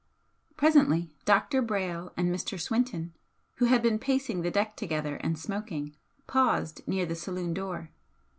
Presently Dr. Brayle and Mr. Swinton, who had been pacing the deck together and smoking, paused near the saloon door.